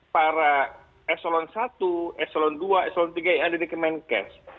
para eselon satu eselon dua eselon tiga yang ada di kemenkes